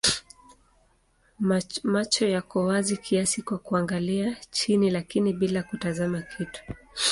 Macho yako wazi kiasi kwa kuangalia chini lakini bila kutazama kitu.